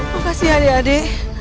makasih ya ade